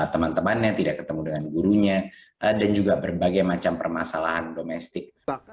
teman temannya tidak ketemu dengan gurunya dan juga berbagai macam permasalahan domestik